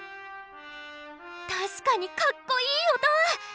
確かにかっこいい音！